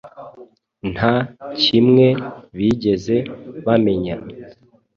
nta kimwe bigeze bamenya